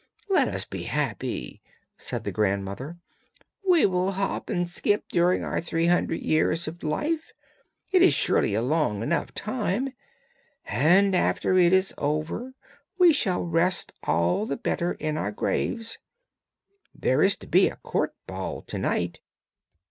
'Let us be happy,' said the grandmother; 'we will hop and skip during our three hundred years of life; it is surely a long enough time; and after it is over we shall rest all the better in our graves. There is to be a court ball to night.'